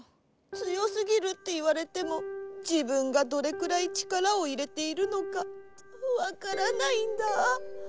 強すぎるっていわれてもじぶんがどれくらい力をいれているのかわからないんだ。